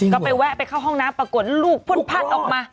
ก็ไปแวะไปเข้าห้องน้ำปรากฏลูกพุดพัดออกมา